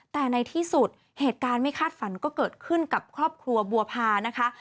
แต่ในที่สุดเหตุการณ์ไม่คาดฝันก็เกิดขึ้นกับครอบครัวบัวพานะคะ